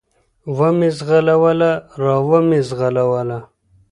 و مې زغلوله، را ومې زغلوله.